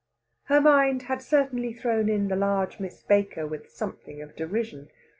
Her mind had certainly thrown in the large Miss Baker with something of derision.